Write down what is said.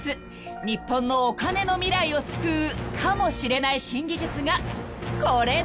日本のお金の未来を救うかもしれない新技術がこれだ］